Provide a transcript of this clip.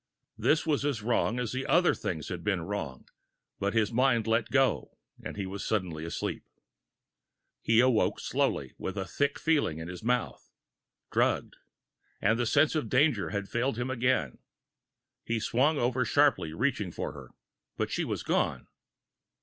This was as wrong as the other things had been wrong but his mind let go, and he was suddenly asleep. He awoke slowly, with a thick feeling in his mouth. Drugged! And the sense of danger had failed him again! He swung over sharply, reaching for her, but she was gone.